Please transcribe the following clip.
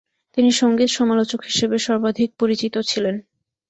তিনি সঙ্গীত সমালোচক হিসেবে সর্বাধিক পরিচিত ছিলেন।